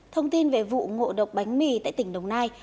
thông tin về vụ ngộ độc bánh mì tại tỉnh đồng nai